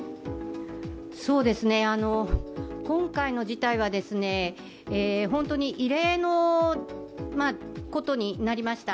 今回の事態は異例のことになりました。